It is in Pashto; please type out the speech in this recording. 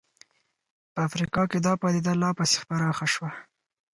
په افریقا کې دا پدیده لا پسې پراخه شوه.